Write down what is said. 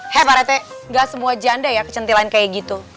he pak rt enggak semua janda ya kecantilan kayak gitu